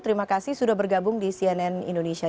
terima kasih sudah bergabung di cnn indonesia